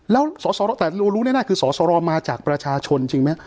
แล้วสอสรอแต่รู้รู้แน่คือสอสรอมาจากประชาชนจริงมั้ยฮะ